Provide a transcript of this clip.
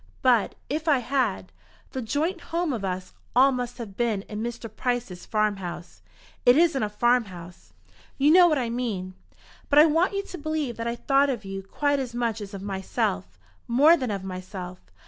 "But, if I had, the joint home of us all must have been in Mr. Price's farm house." "It isn't a farm house." "You know what I mean. But I want you to believe that I thought of you quite as much as of myself, more than of myself.